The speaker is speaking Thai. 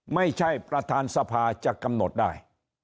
ไม่ใช่ประธานสภาจะกำหนดได้